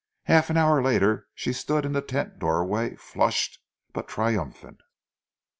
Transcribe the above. Half an hour later she stood in the tent doorway, flushed but triumphant.